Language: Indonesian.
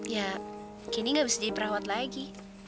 ya kini nggak bisa jadi perawat lagi